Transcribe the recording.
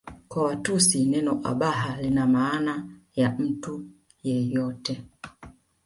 Kwa Watusi neno Abaha lina maana ya mtu yeyote